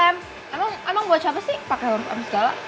m emang buat siapa sih pake lem segala